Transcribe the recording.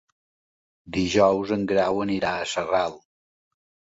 Dijous en Grau anirà a Sarral.